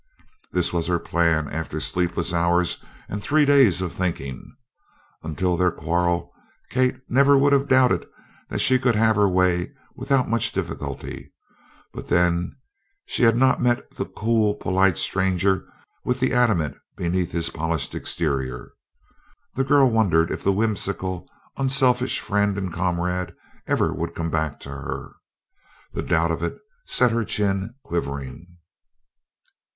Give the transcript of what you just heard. This was her plan after sleepless hours and three days of thinking. Until their quarrel Kate never would have doubted that she could have her way without much difficulty, but then she had not met the cool polite stranger with the adamant beneath his polished exterior. The girl wondered if the whimsical unselfish friend and comrade ever would come back to her. The doubt of it set her chin quivering.